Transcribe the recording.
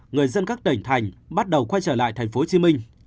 người dân các tỉnh thành bắt đầu quay trở lại tp hcm